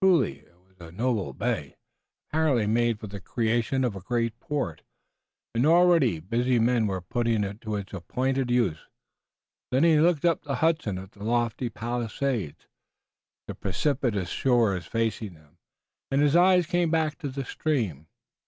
Truly, it was a noble bay, apparently made for the creation of a great port, and already busy man was putting it to its appointed use. Then he looked up the Hudson at the lofty Palisades, the precipitous shores facing them, and his eyes came back to the stream.